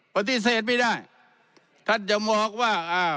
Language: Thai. ปฏิเสธไม่ได้ท่านจะบอกว่าอ่า